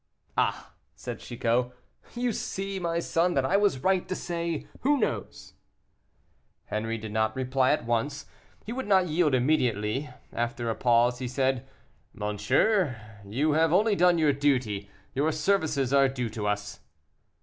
"Ah!" said Chicot, "you see, my son, that I was right to say, 'who knows.'" Henri did not reply at once; he would not yield immediately. After a pause, he said, "Monsieur, you have only done your duty; your services are due to us."